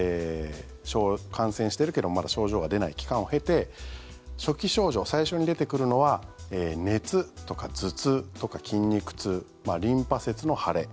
感染してるけどまだ症状が出ない期間を経て初期症状、最初に出てくるのは熱とか頭痛とか筋肉痛リンパ節の腫れ。